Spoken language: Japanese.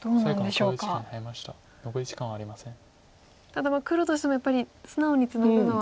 ただ黒としてもやっぱり素直にツナぐのは。